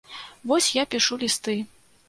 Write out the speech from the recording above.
Вось я пішу лісты.